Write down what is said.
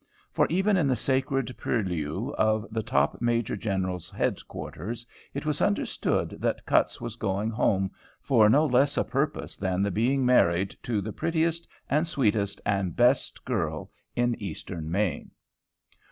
For even in the sacred purlieux of the top Major General's Head quarters, it was understood that Cutts was going home for no less a purpose than the being married to the prettiest and sweetest and best girl in Eastern Maine.